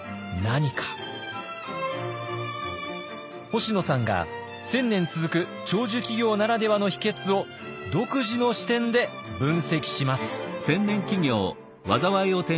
星野さんが１，０００年続く長寿企業ならではの秘けつを独自の視点で分析します。